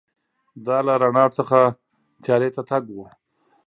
دا له رڼا څخه تیارې ته تګ و.